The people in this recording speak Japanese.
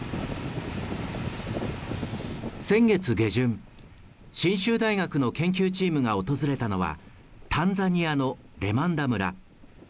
先月下旬、信州大学の研究チームが訪れたのはタンザニアのレマンダ村。